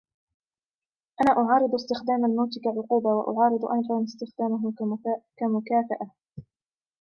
أنا أعارض إستخدام الموت كعقوبة, و أعارض أيضاً إستخدامهُ كمكافأة.